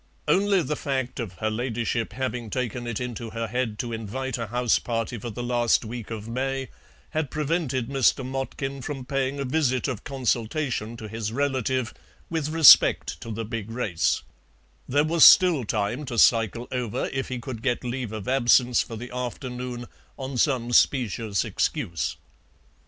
Only the fact of her ladyship having taken it into her head to invite a house party for the last week of May had prevented Mr. Motkin from paying a visit of consultation to his relative with respect to the big race; there was still time to cycle over if he could get leave of absence for the afternoon on some specious excuse.